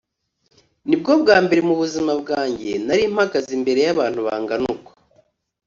ni bwo bwa mbere mu buzima bwanjye nari mpagaze imbere y’abantu bangana uko